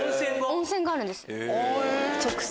温泉があるんです。